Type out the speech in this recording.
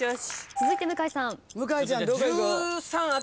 続いて向井さん。